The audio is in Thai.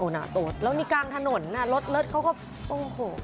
โอ้น่าโตดแล้วนี่กลางถนนน่ะรถเขาก็โอ้โห